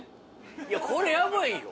いやこれヤバいよ。